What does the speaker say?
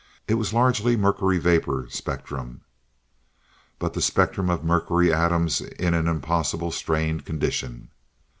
It was largely mercury vapor spectrum, but the spectrum of mercury atoms in an impossibly strained condition.